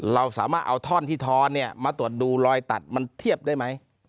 เราสามารถเอาท่อนที่ท้อนเนี่ยมาตรวจดูรอยตัดมันเทียบได้ไหม